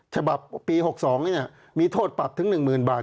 ฉบับปี๖๒มีโทษปรับถึง๑๐๐๐บาท